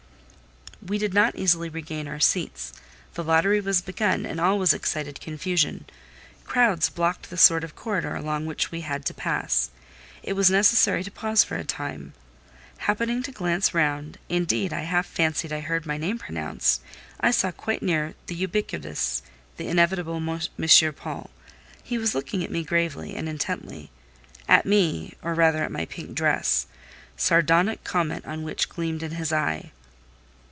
We did not easily regain our seats; the lottery was begun, and all was excited confusion; crowds blocked the sort of corridor along which we had to pass: it was necessary to pause for a time. Happening to glance round—indeed I half fancied I heard my name pronounced—I saw quite near, the ubiquitous, the inevitable M. Paul. He was looking at me gravely and intently: at me, or rather at my pink dress—sardonic comment on which gleamed in his eye.